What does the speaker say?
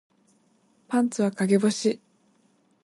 パンツは陰干し